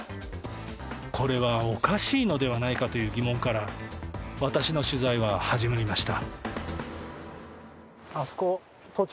これはおかしいのではないかという疑問から私の取材は始まりました。